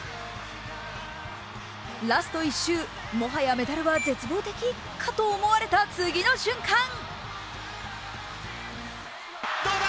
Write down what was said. ラスト１周、もはやメダルは絶望的かと思われた次の瞬間